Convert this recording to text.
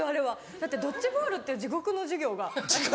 だってドッジボールっていう地獄の授業が。